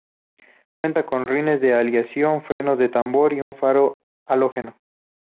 Cuenta con rines de aleación, frenos de tambor y un faro halógeno.